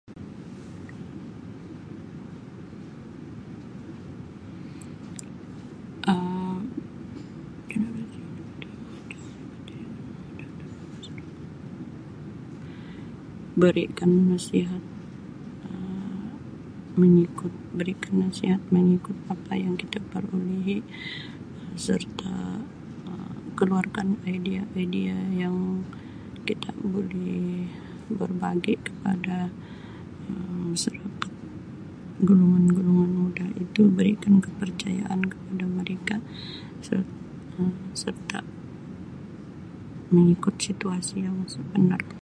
Um [unintelligible] Berikan nasihat Um mengikut berikan nasihat mengikut apa yang kita perolehi serta Um keluarkan idea-idea yang kita buli berbagi kepada Um masyarakat golongan-golongan muda itu berikan kepercayaan kepada mereka ser-serta mengikut situasi yang sebenar.